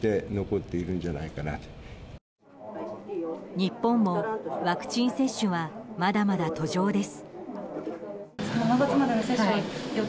日本もワクチン接種はまだまだ途上です。